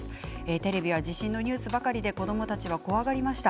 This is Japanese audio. テレビは地震のニュースばかりで子どもたちは怖がりました。